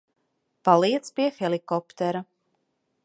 Paliec pie helikoptera.